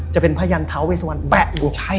จะเป็นพยานเท้าเวสวันแบะอยู่